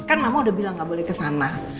kan mama udah bilang gak boleh kesana